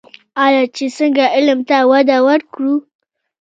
آیا چې څنګه علم ته وده ورکړو؟